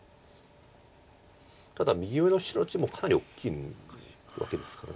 ただ右上の白地もかなり大きいわけですから。